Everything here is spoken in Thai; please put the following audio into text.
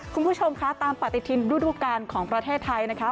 คุณผู้ชมคะตามปฏิทินฤดูการของประเทศไทยนะคะ